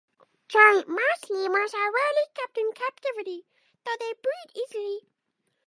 Giant mouse lemurs are rarely kept in captivity, though they breed easily.